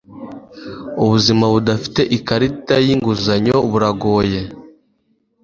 Ubuzima budafite ikarita yinguzanyo buragoye.